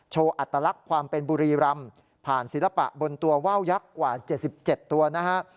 อัตลักษณ์ความเป็นบุรีรำผ่านศิลปะบนตัวว่าวยักษ์กว่า๗๗ตัวนะฮะ